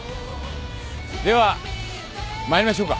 では参りましょうか。